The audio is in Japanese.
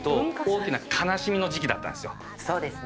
そうですね。